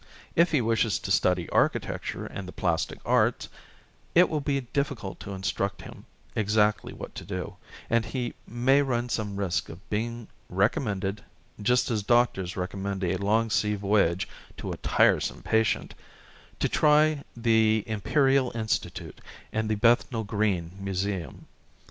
If he wishes to study architecture and the 344 plastic arts, it will be difficult to instruct him exactly what to do, and he may run some risk of being recommended â€" just as doctors recommend a long sea voyage to a tiresome patient â€" to try the Imperial Institute and the Bethnal Green Museum.